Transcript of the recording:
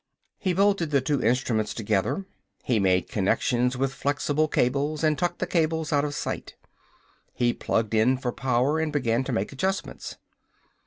He bolted the two instruments together. He made connections with flexible cables and tucked the cable out of sight. He plugged in for power and began to make adjustments.